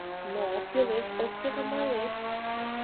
Но-о, кӱлеш-оккӱлым ойлет.